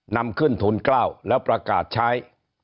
นำขึ้นทุน๙แล้วประกาศใช้